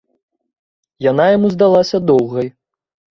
Яна яму здалася доўгай.